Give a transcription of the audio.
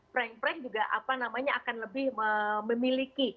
prank prank juga akan lebih memiliki